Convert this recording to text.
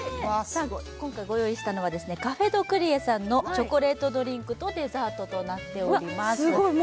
今回ご用意したのは、カフェ・ド・クリエさんのチョコレートドリンクとデザートとなっております。